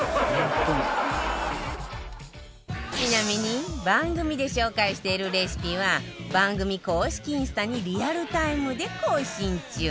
ちなみに番組で紹介しているレシピは番組公式インスタにリアルタイムで更新中